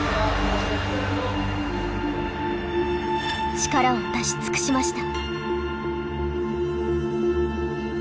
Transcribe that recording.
力を出し尽くしました。